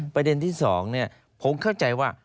ประเด็นที่สองเนี่ยผมเข้าใจว่า